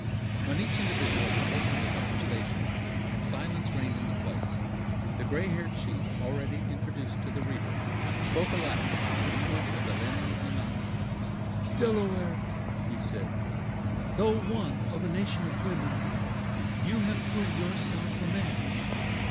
When each individual had taken his proper station, and silence reigned in the place, the gray haired chief already introduced to the reader, spoke aloud, in the language of the Lenni Lenape. "Delaware," he said, "though one of a nation of women, you have proved yourself a man.